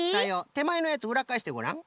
てまえのやつうらっかえしてごらん。